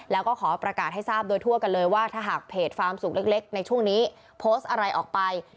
แล้วก็ขอประกาศให้ทราบโดยทั่วกันเลยว่าถ้าหากเพจฟาร์มสุขเล็กในช่วงนี้โพสต์อะไรออกไป